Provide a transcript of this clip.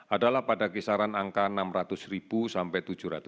adalah pada kisaran angka enam ratus sampai tujuh ratus